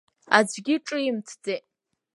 Аӡәгьы ҿимҭӡеит.